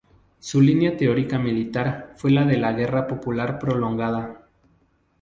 Su línea teórica militar fue la de la guerra popular prolongada.